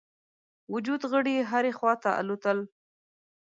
وجود غړي هري خواته الوتل.